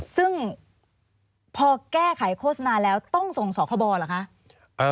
ซึ่งพอแก้ไขโฆษณาแล้วต้องส่งสคบเหรอคะ